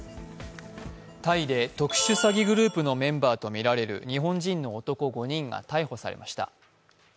タイで特殊詐欺グループのメンバーとみられる日本人の男５人が逮捕されました。